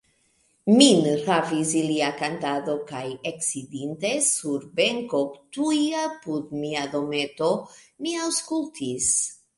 Min ravis ilia kantado, kaj eksidinte sur benko tuj apud mia dometo, mi aŭskultis.